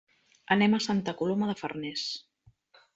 Anem a Santa Coloma de Farners.